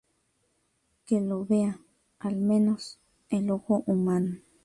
que lo vea, al menos, el ojo humano.